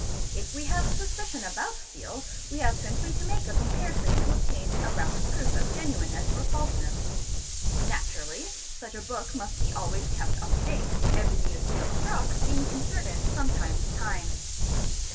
If we havea suspicion about a seal, we have — simply to make a comparison to obtain a rapid proof of genuineness or falseness. Naturally such a book must be always kept up to date, every new seal struck being inserted from time to time.